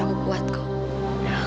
kamu kuat kok